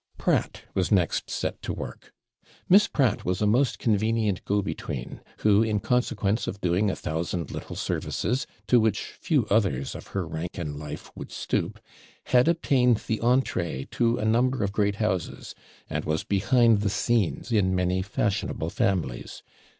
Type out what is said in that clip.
Pratt was next set to work. Miss Pratt was a most convenient go between, who, in consequence of doing a thousand little services, to which few others of her rank in life would stoop, had obtained the ENTREE to a number of great houses, and was behind the scenes in many fashionable families.